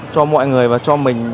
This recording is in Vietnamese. cho mọi người và cho mình